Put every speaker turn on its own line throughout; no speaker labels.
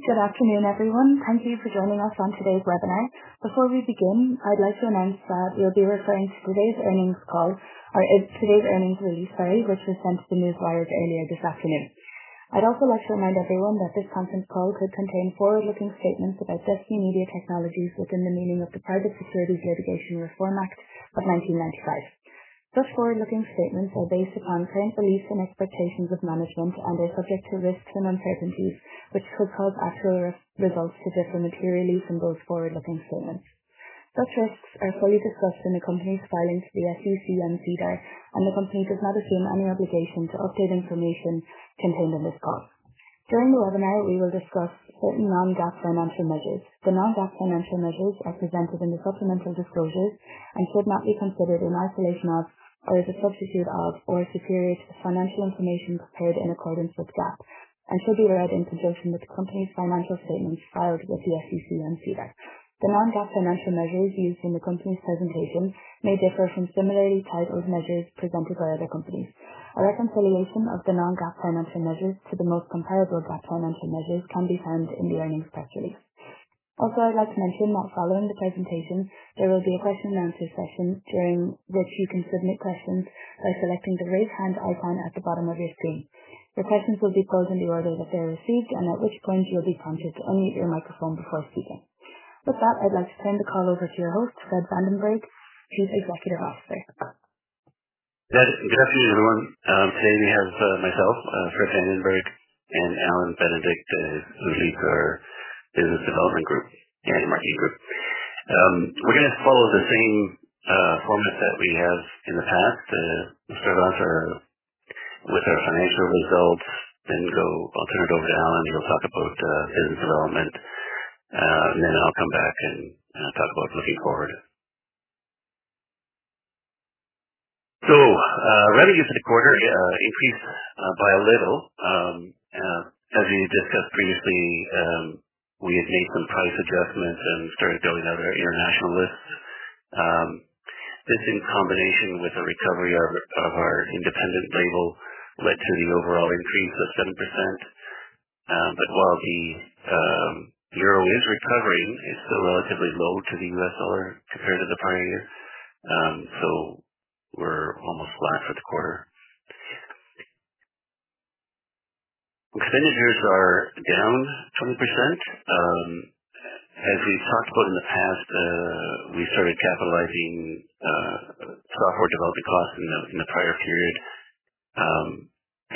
Good afternoon, everyone. Thank you for joining us on today's webinar. Before we begin, I'd like to announce that we'll be referring to today's earnings call or today's earnings release, sorry, which was sent to the Newswire earlier this afternoon. I'd also like to remind everyone that this conference call could contain forward-looking statements about Destiny Media Technologies within the meaning of the Private Securities Litigation Reform Act of 1995. Such forward-looking statements are based upon current beliefs and expectations of management and are subject to risks and uncertainties which could cause actual re-results to differ materially from those forward-looking statements. Such risks are fully discussed in the company's filings with the SEC on SEDAR, and the company does not assume any obligation to update information contained in this call. During the webinar, we will discuss certain non-GAAP financial measures. The non-GAAP financial measures are presented in the supplemental disclosures and should not be considered in isolation of, or as a substitute of, or superior to financial information prepared in accordance with GAAP and should be read in conjunction with the company's financial statements filed with the SEC on SEDAR. The non-GAAP financial measures used in the company's presentation may differ from similarly titled measures presented by other companies. A reconciliation of the non-GAAP financial measures to the most comparable GAAP financial measures can be found in the earnings press release. I'd like to mention that following the presentation, there will be a question and answer session during which you can submit questions by selecting the Raise Hand icon at the bottom of your screen. Your questions will be called in the order that they are received and at which point you'll be prompted to unmute your microphone before speaking. With that, I'd like to turn the call over to your host, Fred Vandenberg, Chief Executive Officer.
Good afternoon, everyone. Today we have myself, Fred Vandenberg, and Allan Benedict, who leads our business development group and marketing group. We're gonna follow the same format that we have in the past. We'll start off with our financial results, then I'll turn it over to Allan, who'll talk about business development, and then I'll come back and talk about looking forward. Revenue for the quarter increased by a little. As we discussed previously, we had made some price adjustments and started building out our international lists. This in combination with the recovery of our independent label led to the overall increase of 7%. While the euro is recovering, it's still relatively low to the US dollar compared to the prior year. We're almost flat for the quarter. Expenditures are down 20%. As we've talked about in the past, we started capitalizing software development costs in the prior period,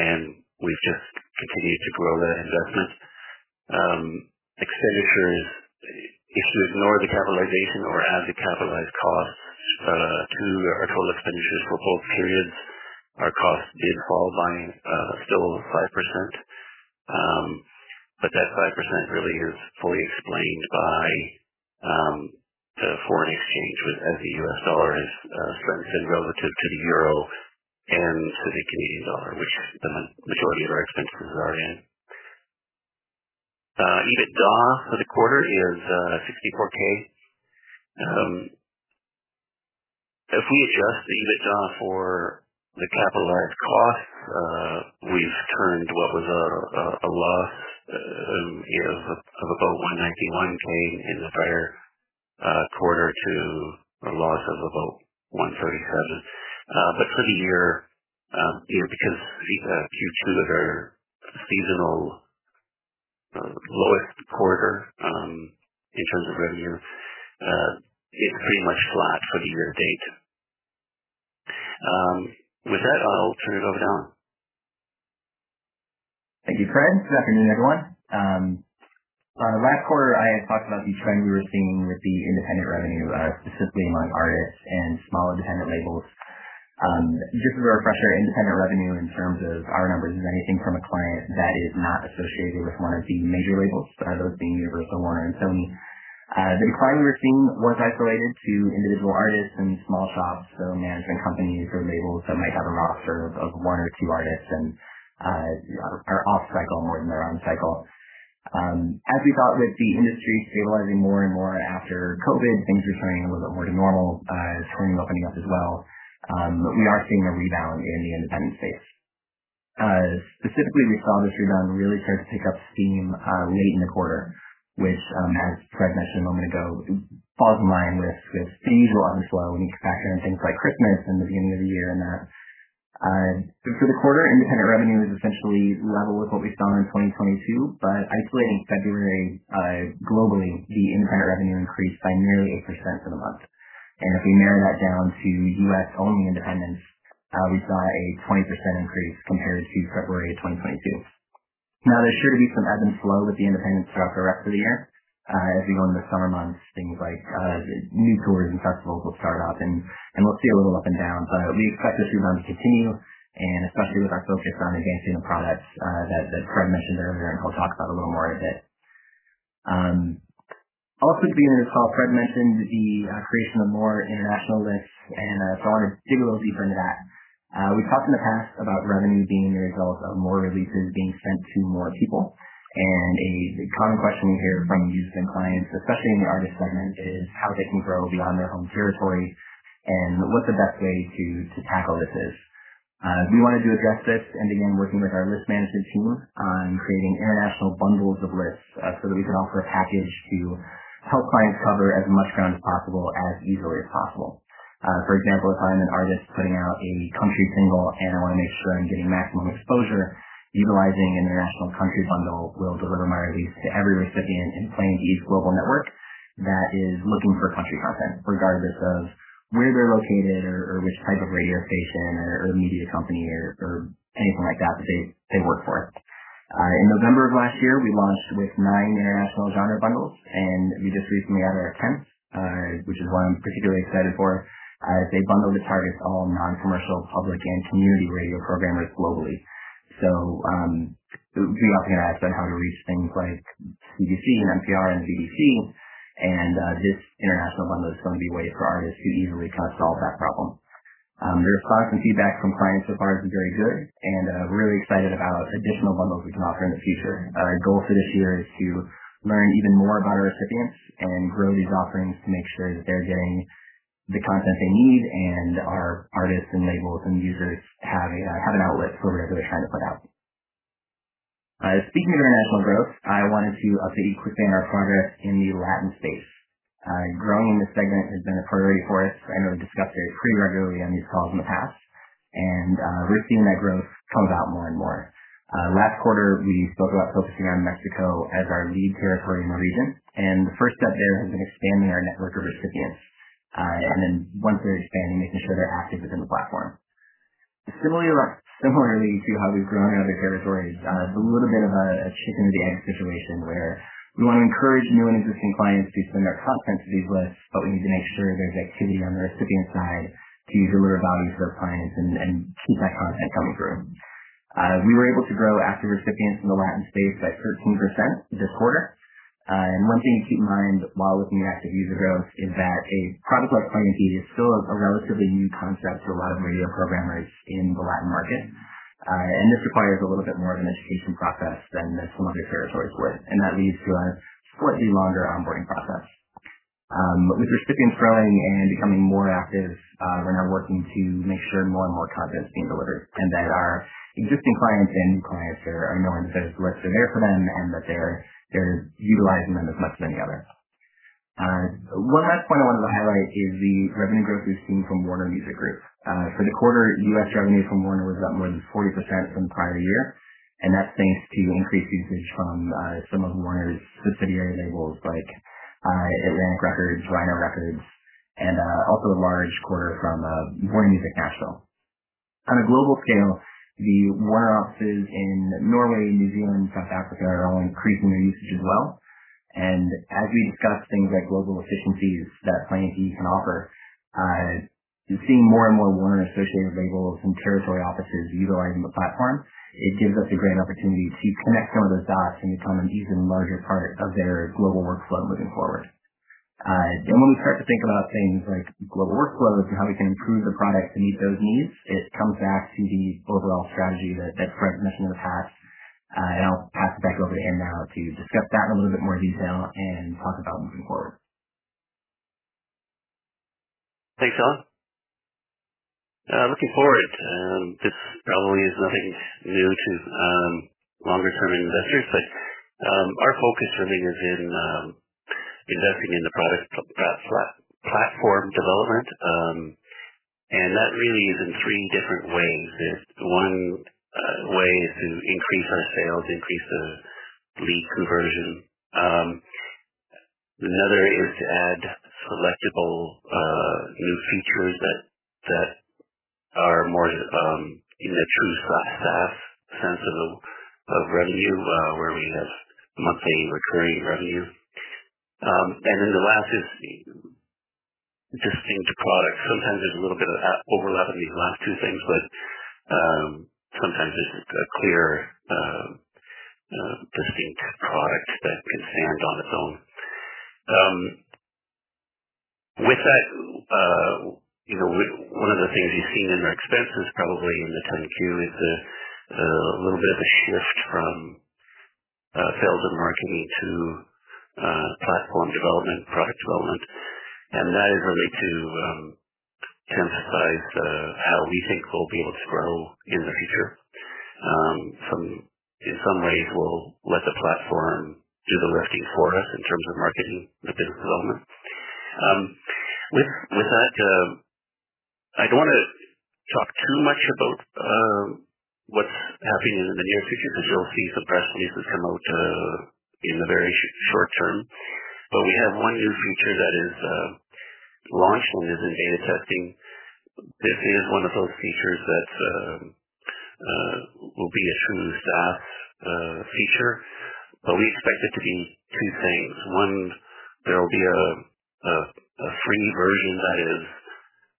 and we've just continued to grow that investment. Expenditures, if you ignore the capitalization or add the capitalized costs to our total expenditures for both periods, our costs did fall by still 5%. That 5% really is fully explained by the foreign exchange as the US dollar has strengthened relative to the euro and to the Canadian dollar, which the majority of our expenses are in. EBITDA for the quarter is $64k. If we adjust the EBITDA for the capitalized costs, we've turned what was a loss of about $191K in the prior quarter to a loss of about $137K. For the year, you know, because Q2 is our seasonal lowest quarter, in terms of revenue, it's pretty much flat for the year to date. With that, I'll turn it over to Allan.
Thank you, Fred. Good afternoon, everyone. Last quarter, I had talked about the trend we were seeing with the independent revenue, specifically among artists and small independent labels. Just as a refresher, independent revenue in terms of our numbers is anything from a client that is not associated with 1 of the major labels, those being Universal, Warner and Sony. The decline we were seeing was isolated to individual artists and small shops or management companies or labels that might have a roster of 1 or 2 artists and are off cycle more than they're on cycle. As we thought with the industry stabilizing more and more after COVID, things are turning a little bit more to normal, streaming opening up as well. We are seeing a rebound in the independent space. Specifically, we saw this rebound really start to pick up steam late in the quarter, which, as Fred mentioned a moment ago, it falls in line with the usual ebb and flow when you factor in things like Christmas and the beginning of the year and that. For the quarter, independent revenue is essentially level with what we saw in 2022. Isolating February, globally, the independent revenue increased by nearly 8% for the month. If we narrow that down to U.S. only independents, we saw a 20% increase compared to February of 2022. There's sure to be some ebb and flow with the independents throughout the rest of the year. As we go into the summer months, things like new tours and festivals will start up and we'll see a little up and down. We expect this rebound to continue and especially with our focus on enhancing the products that Fred mentioned earlier, and he'll talk about a little more in a bit. Also at the beginning of this call, Fred mentioned the creation of more international lists and I wanted to dig a little deeper into that. We've talked in the past about revenue being the result of more releases being sent to more people. A common question we hear from users and clients, especially in the artist segment, is how they can grow beyond their home territory and what the best way to tackle this is. We wanted to address this and began working with our list management team on creating international bundles of lists so that we can offer a package to help clients cover as much ground as possible, as easily as possible. For example, if I'm an artist putting out a country single and I wanna make sure I'm getting maximum exposure, utilizing international country bundle will deliver my release to every recipient in Play MPE's global network that is looking for country content, regardless of where they're located or which type of radio station or media company or anything like that they work for. In November of last year, we launched with nine international genre bundles, and we just recently added our 10th, which is one I'm particularly excited for. They bundle that targets all non-commercial public and community radio programmers globally. We often get asked on how to reach things like CBC and NPR and BBC, this international bundle is gonna be a way for artists to easily kind of solve that problem. The response and feedback from clients so far has been very good. Really excited about additional bundles we can offer in the future. Our goal for this year is to learn even more about our recipients and grow these offerings to make sure that they're getting the content they need and our artists and labels and users have an outlet for whatever they're trying to put out. Speaking of international growth, I wanted to update you quickly on our progress in the Latin space. Growing in this segment has been a priority for us, I know we've discussed it pretty regularly on these calls in the past, we're seeing that growth come about more and more. Last quarter, we spoke about focusing on Mexico as our lead territory in the region, the first step there has been expanding our network of recipients. Once they're expanding, making sure they're active within the platform. Similarly to how we've grown in other territories, it's a little bit of a chicken and the egg situation where we wanna encourage new and existing clients to send their content to these lists, but we need to make sure there's activity on the recipient side to deliver value for our clients and keep that content coming through. We were able to grow active recipients in the Latin space by 13% this quarter. One thing to keep in mind while looking at active user growth is that a product like Play MPE is still a relatively new concept to a lot of radio programmers in the Latin market. This requires a little bit more of an education process than some other territories would, and that leads to a slightly longer onboarding process. With recipients growing and becoming more active, we're now working to make sure more and more content is being delivered and that our existing clients and new clients there are knowing that lists are there for them and that they're utilizing them as much as any other. One last point I wanted to highlight is the revenue growth we've seen from Warner Music Group. For the quarter, US revenue from Warner was up more than 40% from the prior year, and that's thanks to increased usage from some of Warner's subsidiary labels like Atlantic Records, Rhino Entertainment, and also a large quarter from Warner Music Nashville. On a global scale, the Warner offices in Norway, New Zealand, South Africa are all increasing their usage as well. As we discuss things like global efficiencies that Play MPE can offer, we're seeing more and more Warner associated labels and territory offices utilizing the platform. It gives us a great opportunity to connect some of those dots and become an even larger part of their global workflow moving forward. When we start to think about things like global workflows and how we can improve the product to meet those needs, it comes back to the overall strategy that Fred mentioned in the past. I'll pass it back over to him now to discuss that in a little bit more detail and talk about moving forward.
Thanks, Allan. Looking forward, this probably is nothing new to longer term investors, but our focus really is in investing in the product, platform development. That really is in three different ways. One way is to increase our sales, increase the lead conversion. Another is to add selectable new features that are more in the true SaaS sense of revenue, where we have monthly recurring revenue. Then the last is distinct product. Sometimes there's a little bit of overlap in these last two things, but sometimes it's a clear distinct product that can stand on its own. With that, you know, one of the things you've seen in our expenses probably in the 10-Q is a little bit of a shift from sales and marketing to platform development, product development. In some ways, we'll let the platform do the lifting for us in terms of marketing and business development. With that, I don't wanna talk too much about what's happening in the near future because you'll see some press releases come out in the very short term. We have one new feature that is launched and is in beta testing. This is one of those features that will be a true SaaS feature, but we expect it to be two things. 1, there will be a free version that is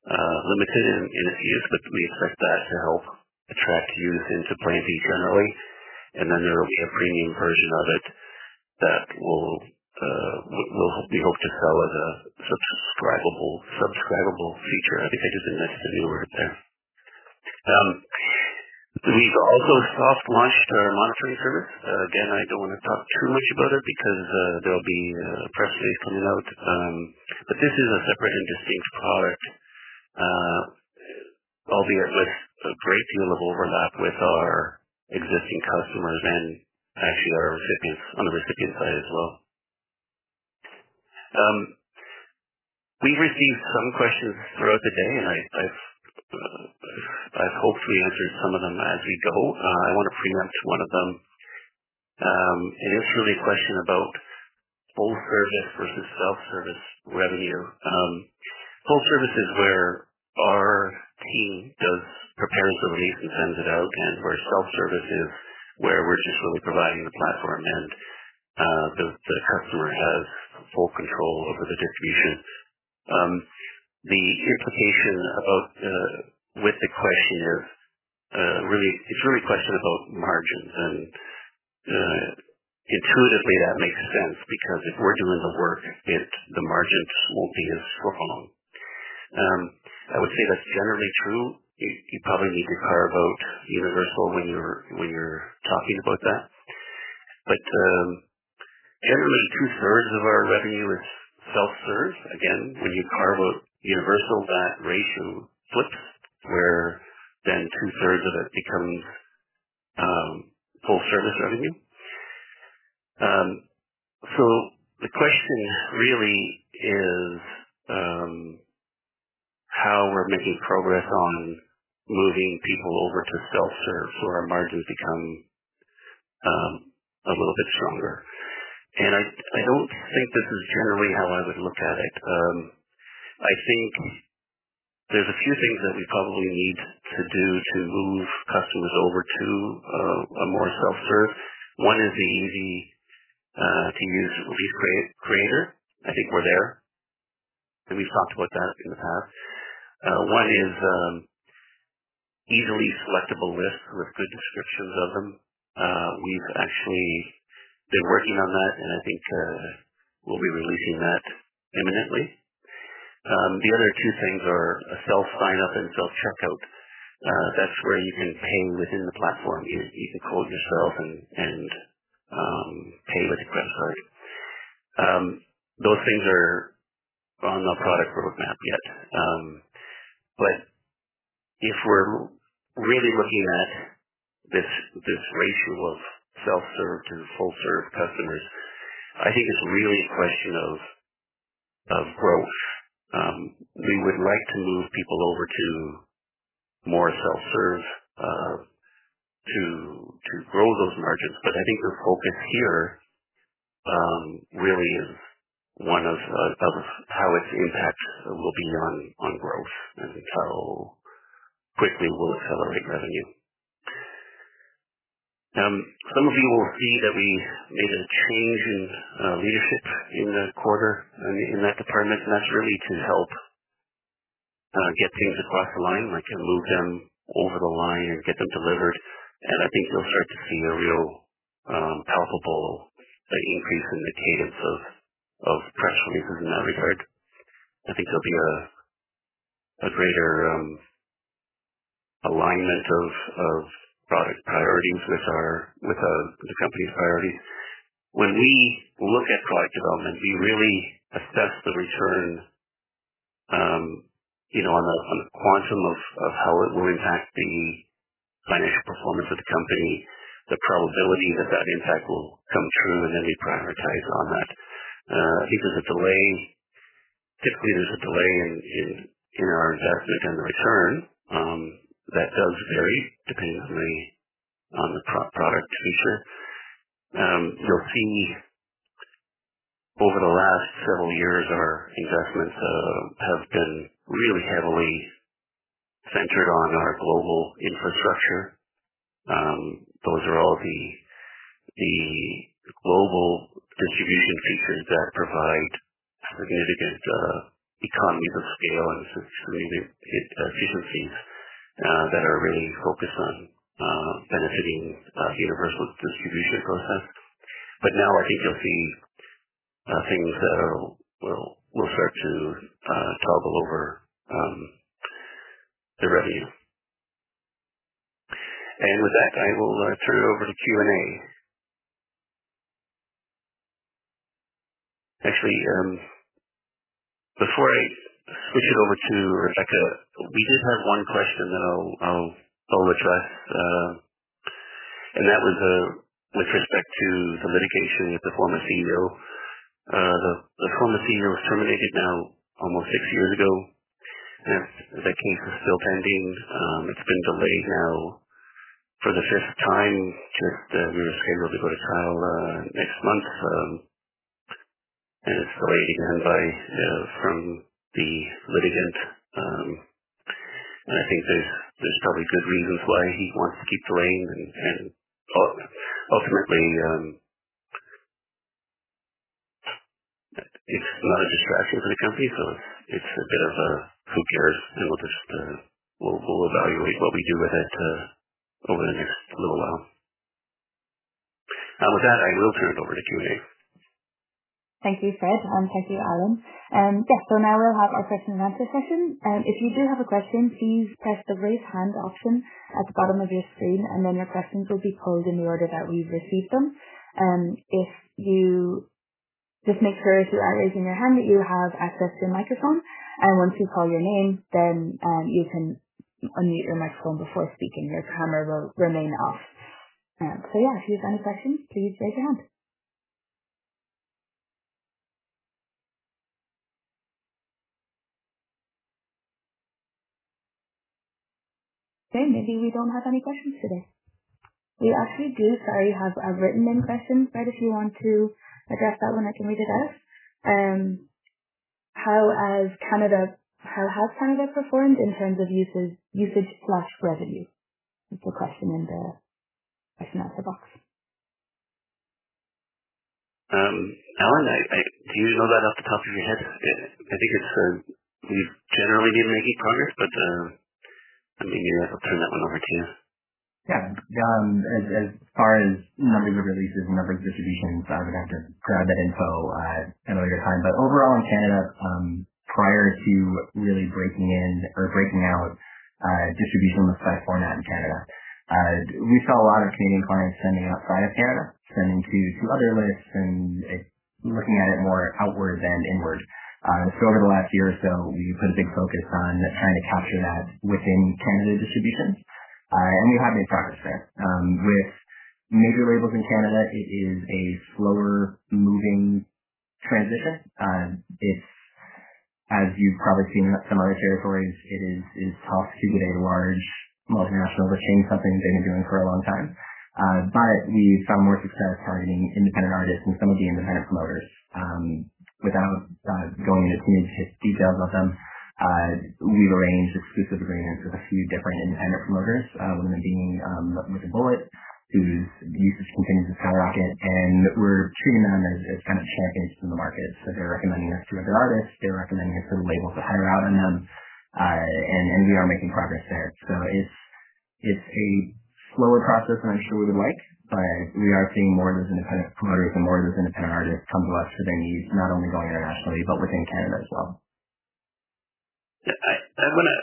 limited in its use. We expect that to help attract users into Play MPE generally. There will be a premium version of it that we hope to sell as a subscribable feature. I think I just invented a new word there. We've also soft launched our monitoring service. Again, I don't want to talk too much about it because there'll be a press release coming out. This is a separate and distinct product. Albeit with a great deal of overlap with our existing customers and actually our recipients on the recipient side as well. We've received some questions throughout the day, and I've hopefully answered some of them as we go. I want to preempt 1 of them. It is really a question about full service versus self-service revenue. Full service is where our team prepares a release and sends it out, and where self-service is where we're just really providing the platform, and the customer has full control over the distribution. The implication of with the question is really a question about margins. Intuitively, that makes sense because if we're doing the work, the margins won't be as strong. I would say that's generally true. You probably need to carve out Universal when you're talking about that. Generally 2/3 of our revenue is self-serve. Again, when you carve out Universal, that ratio flips where then 2/3 of it becomes full service revenue. The question really is how we're making progress on moving people over to self-serve so our margins become a little bit stronger. I don't think this is generally how I would look at it. I think there's a few things that we probably need to do to move customers over to a more self-serve. 1 is the easy to use lead creator. I think we're there, and we've talked about that in the past. 1 is easily selectable lists with good descriptions of them. We've actually been working on that, and I think we'll be releasing that imminently. The other 2 things are a self-sign up and self-checkout. That's where you can pay within the platform. You decode yourself and pay with a credit card. Those things are on our product roadmap yet. If we're really looking at this ratio of self-serve to full-serve customers, I think it's really a question of growth. We would like to move people over to more self-serve to grow those margins. I think the focus here really is one of how its impact will be on growth and how quickly we'll accelerate revenue. Some of you will see that we made a change in leadership in the quarter in that department, that's really to help get things across the line. We can move them over the line and get them delivered. I think you'll start to see a real palpable increase in the cadence of press releases in that regard. I think there'll be a greater alignment of product priorities with the company's priorities. When we look at product development, we really assess the return, you know, on a quantum of how it will impact the financial performance of the company, the probability that that impact will come true, and then we prioritize on that. If there's a delay, typically there's a delay in our investment and the return. That does vary depending on the product feature. You'll see over the last several years, our investments have been really heavily centered on our global infrastructure. Those are all the global distribution features that provide significant economies of scale and some efficiencies that are really focused on benefiting Universal's distribution process. Now I think you'll see things will start to toggle over to revenue. With that, I will turn it over to Q&A. Actually, before I switch it over to Rebecca, we did have one question that I'll address. That was with respect to the litigation with the former CEO. The former CEO was terminated now almost six years ago, and that case is still pending. It's been delayed now for the fifth time, just we were scheduled to go to trial next month. It's delayed again by from the litigant. I think there's probably good reasons why he wants to keep delaying and ultimately... It's not a distraction for the company, so it's a bit of a who cares, and we'll just, we'll evaluate what we do with it, over the next little while. With that, I will turn it over to Kathy.
Thank you, Fred. I'm Kathy Allen. Yeah. Now we'll have our question and answer session. If you do have a question, please press the Raise Hand option at the bottom of your screen, and then your questions will be called in the order that we've received them. Just make sure as you are raising your hand that you have access to a microphone. Once we call your name, then, you can unmute your microphone before speaking. Your camera will remain off. Yeah, if you've got a question, please raise your hand. Okay, maybe we don't have any questions today. We actually do, sorry, have a written-in question. Fred, if you want to address that one, I can read it out. How has Canada performed in terms of usage/revenue?
That's the question in the question and answer box.
Allan, do you know that off the top of your head? I think it's, we've generally been making progress, but, let me I'll turn that one over to you.
Yeah. As far as numbers of releases and numbers of distributions, I would have to grab that info at a later time. Overall in Canada, prior to really breaking in or breaking out distribution with by format in Canada, we saw a lot of Canadian clients sending outside of Canada, sending to other lists, and looking at it more outward than inward. Over the last year or so, we've put a big focus on trying to capture that within Canada distribution. We have made progress there. With major labels in Canada, it is a slower-moving transition. It's, as you've probably seen in some other territories, it's tough to get a large multinational to change something they've been doing for a long time. We've found more success targeting independent artists and some of the independent promoters. Without going into too much details about them, we've arranged exclusive agreements with a few different independent promoters, one of them being With A Bullet, whose usage continues to skyrocket, and we're treating them as kind of champions in the market. They're recommending us to other artists, they're recommending us to labels that hire out on them. We are making progress there. It's a slower process than I'm sure we would like, but we are seeing more of those independent promoters and more of those independent artists come to us for their needs, not only going internationally but within Canada as well.
Yeah, I wanna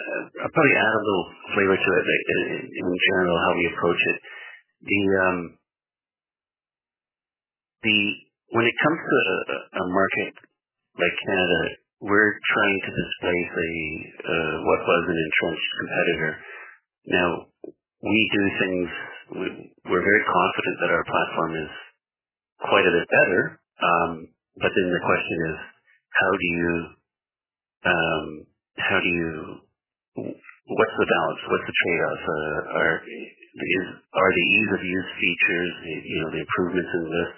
probably add a little flavor to it, like, in general, how we approach it. When it comes to a market like Canada, we're trying to displace a what was an entrenched competitor. Now, we do things... We, we're very confident that our platform is quite a bit better, the question is, how do you, how do you... what's the balance? What's the tradeoff? Are the ease of use features, you know, the improvements in this,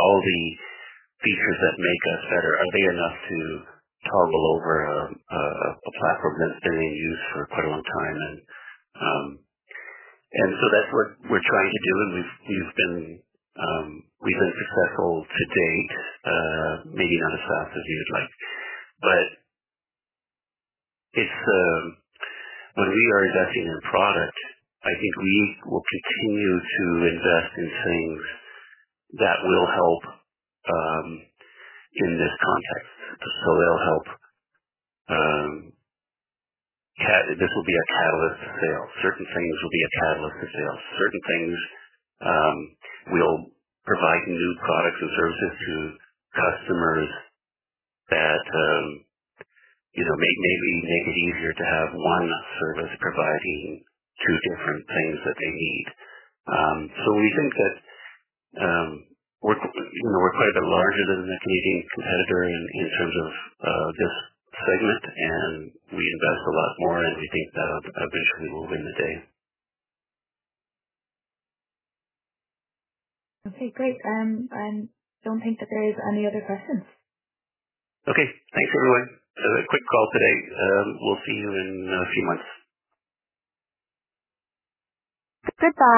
all the features that make us better, are they enough to tumble over a platform that's been in use for quite a long time? That's what we're trying to do, and we've been successful to date, maybe not as fast as we would like. If, when we are investing in product, I think we will continue to invest in things that will help in this context. They'll help, this will be a catalyst for sale. Certain things will be a catalyst for sale. Certain things will provide new products and services to customers that, you know, may-maybe make it easier to have one service providing two different things that they need. We think that we're, you know, we're quite a bit larger than the Canadian competitor in terms of this segment, and we invest a lot more, and we think that eventually will win the day.
Okay, great. I don't think that there is any other questions.
Okay. Thanks, everyone. A quick call today. We'll see you in a few months.
Goodbye.